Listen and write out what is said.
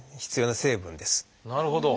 なるほど。